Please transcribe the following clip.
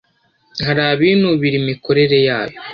hari abinubira imikorere yayo.